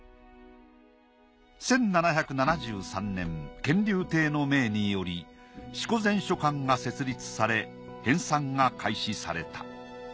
１７７３年乾隆帝の命により四庫全書館が設立され編さんが開始された。